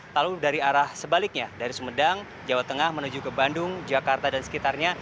lalu dari arah sebaliknya dari sumedang jawa tengah menuju ke bandung jakarta dan sekitarnya